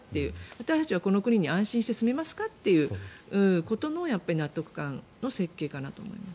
私たちはこの国で安心して住めますかということの納得感の設計かなと思います。